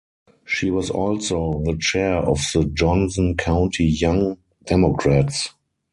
She was also the chair of the Johnson County Young Democrats.